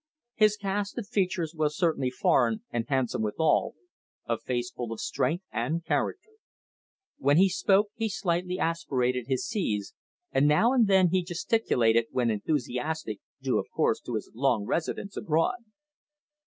His cast of features was certainly foreign, and handsome withal a face full of strength and character. When he spoke he slightly aspirated his c's, and now and then he gesticulated when enthusiastic, due, of course, to his long residence abroad.